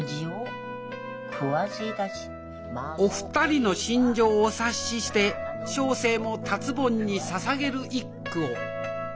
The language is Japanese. お二人の心情お察しして小生も達ぼんにささげる一句を。